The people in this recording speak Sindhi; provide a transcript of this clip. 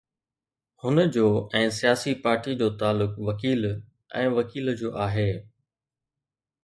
هن جو ۽ سياسي پارٽيءَ جو تعلق وڪيل ۽ وڪيل جو آهي.